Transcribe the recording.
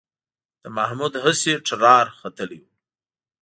د محمود هسې ټرار ختلی و